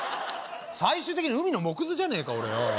最終的に海の藻くずじゃねえか俺よ